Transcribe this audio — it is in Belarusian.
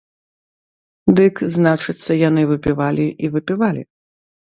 Дык, значыцца, яны выпівалі і выпівалі.